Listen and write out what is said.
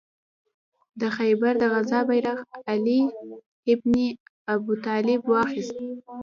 د خیبر د غزا بیرغ علي ابن ابي طالب واخیست.